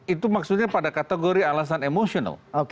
itu maksudnya pada kategori alasan emosional